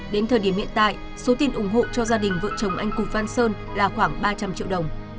đến thời điểm hiện tại số tiền ủng hộ cho gia đình vợ chồng anh cụt văn sơn là khoảng ba trăm linh triệu đồng